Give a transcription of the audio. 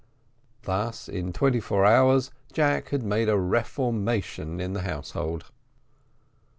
Thus, in twenty four hours, Jack had made a reformation in the household.